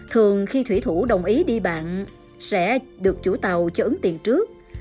thường khi thủy thủ đồng ý đi bạn sẽ được chủ tàu cho ứng tiền trước